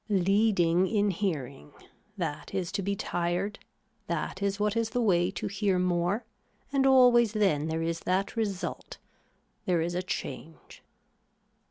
Leading in hearing, that is to be tired, that is what is the way to hear more and always then there is that result, there is a change.